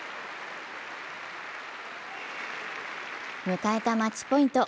迎えたマッチポイント。